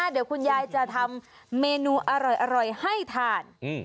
เดี๋ยวคุณยายจะทำเมนูอร่อยให้ทาน